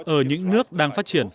ở những nước đang phát triển nhanh